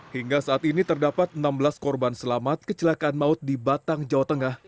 hingga saat ini terdapat enam belas korban selamat kecelakaan maut di batang jawa tengah